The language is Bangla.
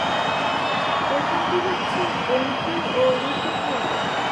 প্রথমটি হচ্ছে গম্ভীর ও রুচিপূর্র।